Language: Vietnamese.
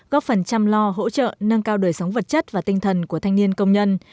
góp phần chăm lo hỗ trợ nâng cao đời sống vật chất và tinh thần của thanh niên công nhân